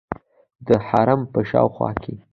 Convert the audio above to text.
د حرم په شاوخوا کې.